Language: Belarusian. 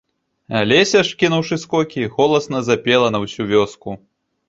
Алеся ж, кінуўшы скокі, голасна запела на ўсю вёску.